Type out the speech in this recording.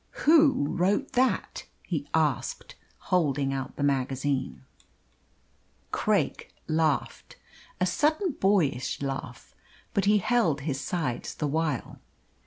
"Who wrote that?" he asked, holding out the magazine. Craik laughed a sudden boyish laugh but he held his sides the while.